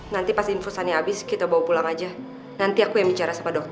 nanti pas infusannya habis kita bawa pulang aja nanti aku yang bicara sama dokter